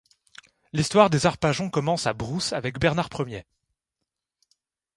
L'histoire des Arpajons commence à Brousse avec Bernard Ier.